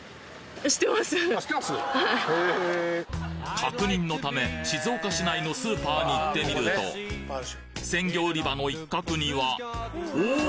確認のため静岡市内のスーパーに行ってみると鮮魚売り場の一角にはおお！